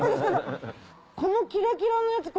このキラキラのやつ